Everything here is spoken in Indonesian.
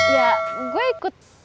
ya gua ikut